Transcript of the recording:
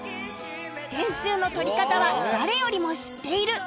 点数の取り方は誰よりも知っている